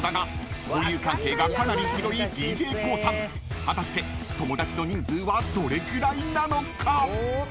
［果たして友だちの人数はどれくらいなのか］